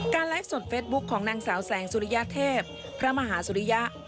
ไลฟ์สดเฟสบุ๊คของนางสาวแสงสุริยเทพพระมหาสุริยะ